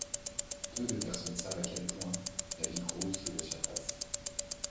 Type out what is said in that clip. Peu de personnes savent à quelle point la vie grouille sous la surface.